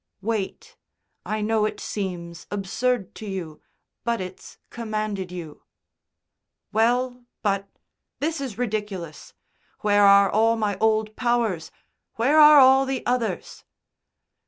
"Wait. I know it seems absurd to you, but it's commanded you." "Well, but this is ridiculous. Where are all my old powers I Where are all the others?"